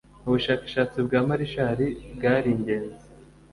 Ubushakashatsi bwa Marshall bwari ingenzi